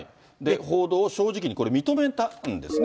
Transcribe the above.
報道を正直にこれ、認めたんですね。